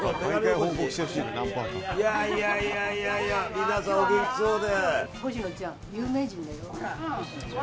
皆さん、お元気そうで。